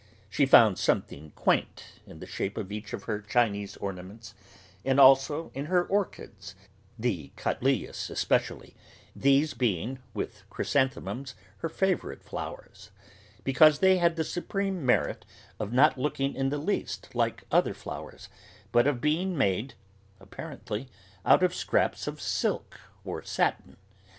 She found something 'quaint' in the shape of each of her Chinese ornaments, and also in her orchids, the cattleyas especially (these being, with chrysanthemums, her favourite flowers), because they had the supreme merit of not looking in the least like other flowers, but of being made, apparently, out of scraps of silk or satin.